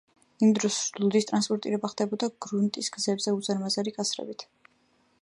იმ დროს ლუდის ტრანსპორტირება ხდებოდა გრუნტის გზებზე უზარმაზარი კასრებით.